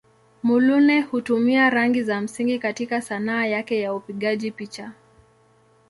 Muluneh hutumia rangi za msingi katika Sanaa yake ya upigaji picha.